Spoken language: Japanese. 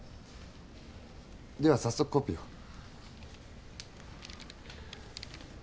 では早速コピーを。